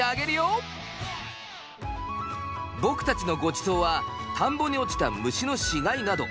僕たちのごちそうは田んぼに落ちた虫の死骸など。